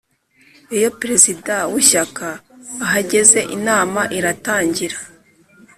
iyo perezida w ishyaka ahageze inama iratangira